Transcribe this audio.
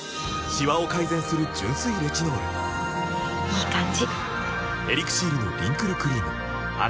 いい感じ！